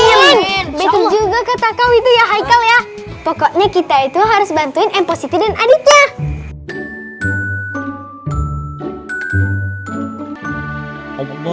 amin betul juga kata kau itu ya hai kalian pokoknya kita itu harus bantuin m positif adiknya